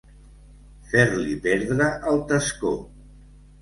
Fer-li perdre el tascó.